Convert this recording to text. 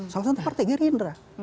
salah satu partai gerindra